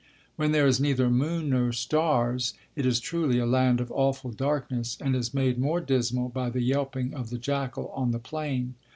When there is neither moon nor stars it is truly a land of awful darkness, and is made more dismal by the yelping of the jackal on the plain.